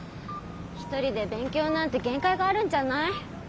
一人で勉強なんて限界があるんじゃない？